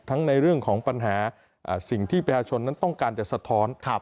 ในเรื่องของปัญหาสิ่งที่ประชาชนนั้นต้องการจะสะท้อน